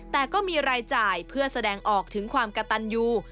แต่ก็มีรายจ่ายเพื่อแสดงออกถึงความกระตันยู